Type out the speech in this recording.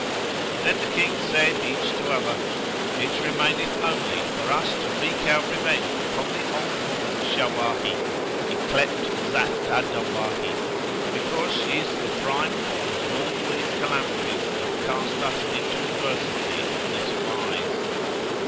Then the Kings said each to other, "It remaineth only for us to wreak our revenge upon the old woman Shawahi, yclept Zat al Dawahi, because she is the prime cause of all these calamities and cast us into adversity on this wise.